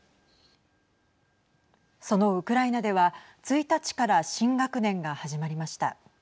そのウクライナでは１日から新学年が始まりました。